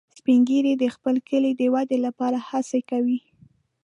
سپین ږیری د خپل کلي د ودې لپاره هڅې کوي